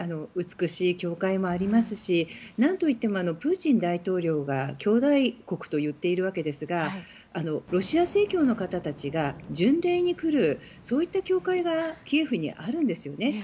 美しい教会もありますし何といってもプーチン大統領が兄弟国と言っているわけですがロシア正教の方たちが巡礼に来るそういった教会がキエフにあるんですよね。